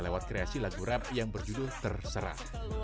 lewat kreasi lagu rap yang berjudul terserah